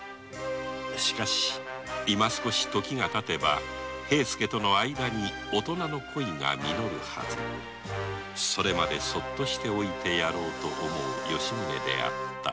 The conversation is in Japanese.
しかし時がたてば平助との間に大人の恋が実るハズそれまでそっとしておいてやろうと思う吉宗であった